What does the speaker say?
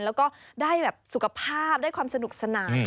แล้วก็ได้แบบสุขภาพได้ความสนุกสนาน